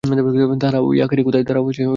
দাঁড়াও, ইয়াকারি কোথায়?